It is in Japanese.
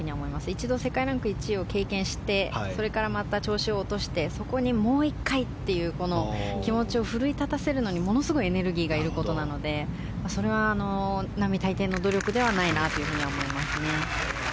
一度、世界ランク１位を経験してそれからまた調子を落としてそこにもう１回という気持ちを奮い立たせるのにものすごくエネルギーがいることなのでそれは、並大抵の努力ではないなと思いますね。